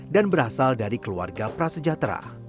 dan berasal dari keluarga prasejahtera